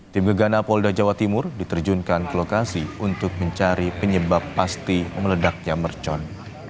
tim gegana polda jawa timur diterjunkan ke lokasi untuk mencari penyebab pasti meledaknya mercon